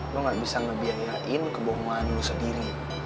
lu gak bisa ngebiayain kebohongan lu sendiri